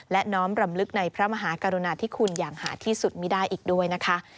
และน้อมรำลึกในพระมหากรุณาธิคุณอย่างหาที่สุดไม่ได้อีกด้วยนะคะ